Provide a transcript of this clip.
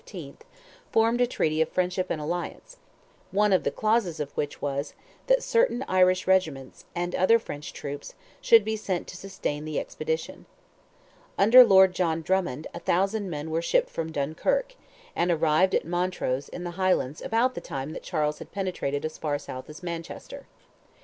formed a treaty of "friendship and alliance," one of the clauses of which was, that certain Irish regiments, and other French troops, should be sent to sustain the expedition. Under Lord John Drummond a thousand men were shipped from Dunkirk, and arrived at Montrose in the Highlands about the time Charles had penetrated as far south as Manchester.